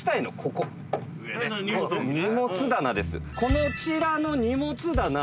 こちらの荷物棚